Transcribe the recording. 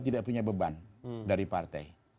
tidak punya beban dari partai